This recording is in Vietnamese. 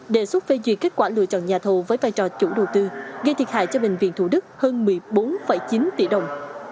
đề xuất phê duyệt kết quả lựa chọn nhà thầu với vai trò chủ đầu tư gây thiệt hại cho bệnh viện thủ đức hơn một mươi bốn chín tỷ đồng